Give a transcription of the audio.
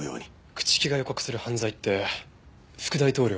朽木が予告する犯罪って副大統領暗殺ですか？